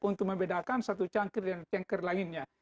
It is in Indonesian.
untuk membedakan satu cangkir dengan cangkir lainnya